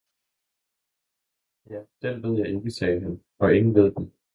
Ja, den ved jeg ikke, sagde han, og ingen ved den!